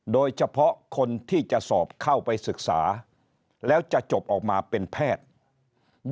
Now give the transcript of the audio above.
โดยเฉพาะคนที่จะสอบเข้าไปศึกษาแล้วจะจบออกมาเป็นแพทย์